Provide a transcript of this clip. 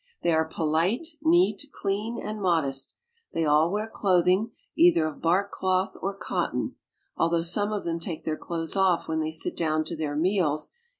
They are polite, neat, clean, and modest. They all wear clothing, either of bark cloth or cotton ; although some of them take their clothes off when they sit down to their meals